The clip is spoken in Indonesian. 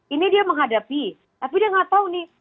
ini dia menghadapi tapi dia nggak tahu nih